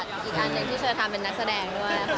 ก็เรียกว่าเหมาะกับบทบาทอีกอันที่เธอทำเป็นนักแสดงด้วย